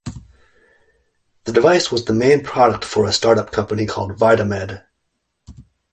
The device was the main product for a startup company called Vidamed.